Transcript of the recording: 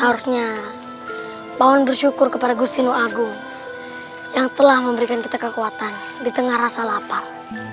harusnya wawan bersyukur kepada gustino agung yang telah memberikan kita kekuatan di tengah rasa lapar